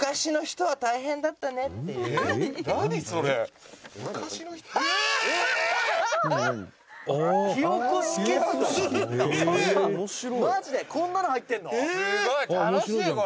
「すごい楽しいこれ」